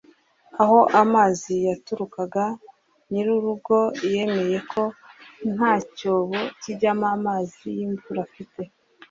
Aho amazi yaturukaga nyir’urugo yemeye ko nta cyobo kijyamo amazi y’imvura afite